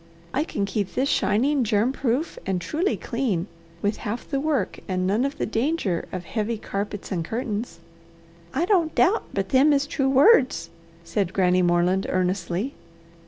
I can keep this shining, germ proof, and truly clean with half the work and none of the danger of heavy carpets and curtains." "I don't doubt but them is true words," said Granny Moreland earnestly.